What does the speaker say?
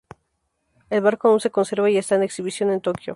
El barco aún se conserva y está en exhibición en Tokio.